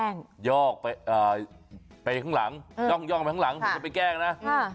ยอกไปข้างหลังย่องไปข้างหลังผมจะไปแกล้งนะ